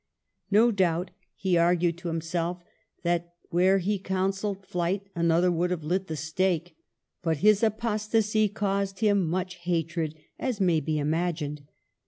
No doubt he argued to 60 MARGARET OF ANGOULEME. himself that where he counselled flight another would have lit the stake. But his apostasy caused him much hatred, as may be imagined.